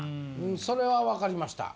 それは分かりました。